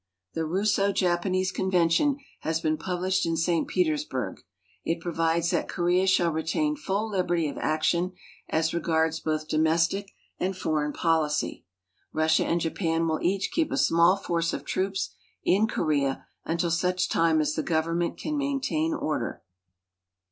The Russo Japanese convention has been published in St Pe tersburg. It provides that Korea shall retain full liberty of action as regards both domestic and foreign policy. Russia and Japan will each keep a small force of troops in Korea until such time as the government can maintain order.